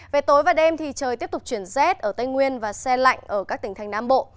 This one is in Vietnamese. về tối và đêm thì trời tiếp tục chuyển rét ở tây nguyên và xe lạnh ở các tỉnh thành nam bộ